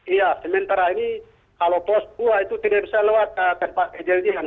iya sementara ini kalau pos tua itu tidak bisa lewat tempat kejadian